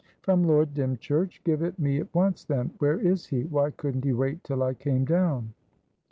"From Lord Dymchurch? Give it me at once, then. Where is he? Why couldn't he wait till I came down?"